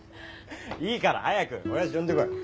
いいから早く親父呼んで来い。